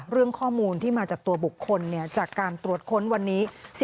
เรื่องข้อมูลที่มาจากตัวบุคคลจากการตรวจค้นวันนี้